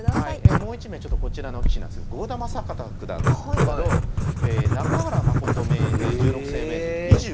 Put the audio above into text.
もう一枚こちらの棋士なんですが郷田真隆九段なんですけど中原誠十六世名人に２５勝６敗。